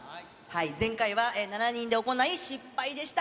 前回は７人で行い、失敗でした。